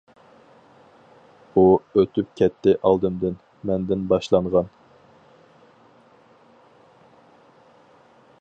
ئۇ ئۆتۈپ كەتتى ئالدىمدىن. مەندىن باشلانغان.